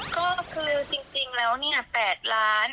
ก็คือจริงแล้ว๘ล้านบาท